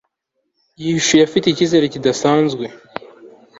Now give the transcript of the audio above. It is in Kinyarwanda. yishuye afite ikizere kidasanzwe